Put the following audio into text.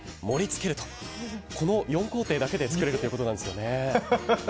盛り付けるとこの４工程だけで作れるということなんです。